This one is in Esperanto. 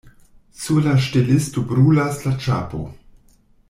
Sur la ŝtelisto brulas la ĉapo.